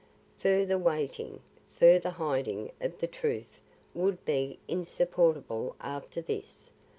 Further waiting, further hiding of the truth would be insupportable after this.